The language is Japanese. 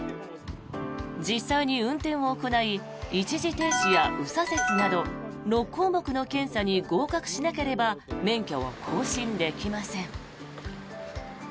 実際に運転を行い一時停止や右左折など６項目の検査に合格しなければ免許を更新できません。